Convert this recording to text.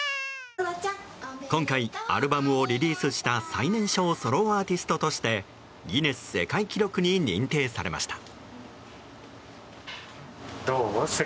今回、アルバムをリリースした最年少ソロアーティストとしてギネス世界記録に認定されました。